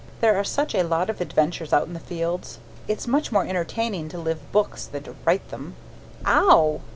There are such lots of adventures out in the fields! It's much more entertaining to live books than to write them. Ow